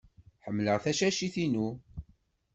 Ḥemmleɣ tacacit-inu.